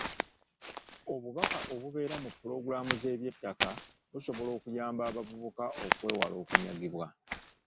Obubaka obubeera mu pulogulaamu z'eby'ettaka busobola okuyamba abavubuka okwewala okunyagibwa.